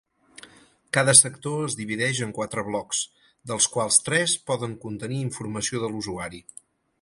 Cada sector es divideix en quatre blocs, dels quals tres poden contenir informació de l'usuari.